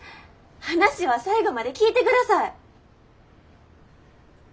話は最後まで聞いてください。